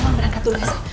mama berangkat dulu ya sa